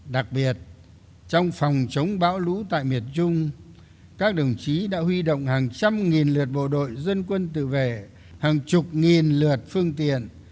đặc biệt trong phòng chống bão lũ tại miền trung các đồng chí đã huy động hàng trăm nghìn lượt bộ đội dân quân tự vệ hàng chục nghìn lượt phương tiện